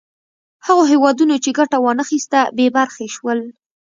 هغو هېوادونو چې ګټه وا نه خیسته بې برخې شول.